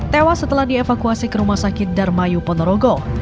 tewas setelah dievakuasi ke rumah sakit darmayu ponorogo